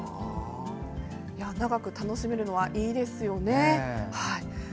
長く楽しめるのはいいですよね。